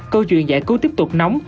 câu chuyện giải cứu tiếp tục nóng